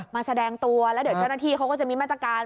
แสดงตัวแล้วเดี๋ยวเจ้าหน้าที่เขาก็จะมีมาตรการ